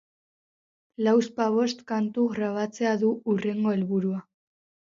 Lauzpabost kantu grabatzea du hurrengo helburua.